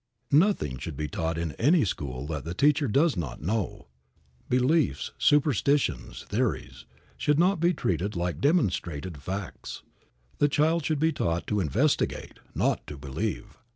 Nothing should be taught in any school that the teacher does not know. Beliefs, superstitions, theories, should not be treated like demonstrated facts. The child should be taught to investigate, not to believe.